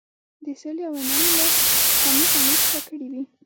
د صلې او انعام له خامي طمعي څخه کړي وي.